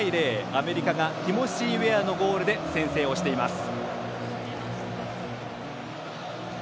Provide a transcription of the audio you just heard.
アメリカがティモシー・ウェアのゴールで先制をしています。